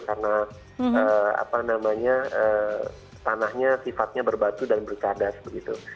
karena tanahnya sifatnya berbatu dan berkadas begitu